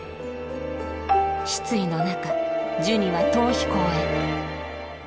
失意の中ジュニは逃避行へ。